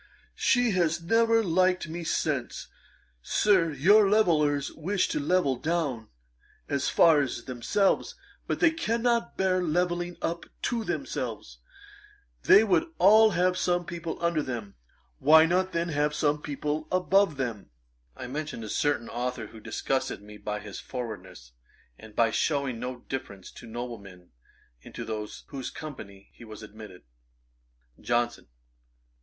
She has never liked me since. Sir, your levellers wish to level down as far as themselves; but they cannot bear levelling up to themselves. They would all have some people under them; why not then have some people above them?' I mentioned a certain authour who disgusted me by his forwardness, and by shewing no deference to noblemen into whose company he was admitted. JOHNSON.